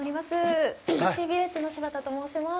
つくしヴィレッジの柴田と申します。